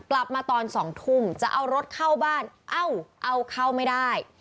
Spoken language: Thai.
กลับมาตอน๒ทุ่มจะเอารถเข้าบ้านเอ้าเอาเข้าไม่ได้